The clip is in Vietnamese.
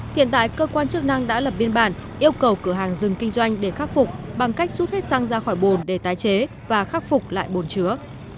hiện tại cơ quan chức năng đã lập biên bản yêu cầu cửa hàng dừng kinh doanh để khắc phục bằng cách rút hết xăng ra khỏi bồn để tái chế và khắc phục lại bồn chứa